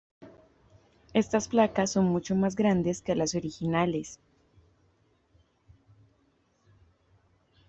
Estas placas son mucho más grandes que las originales.